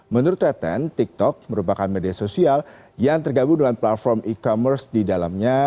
menurut teten tiktok merupakan media sosial yang tergabung dengan platform e commerce di dalamnya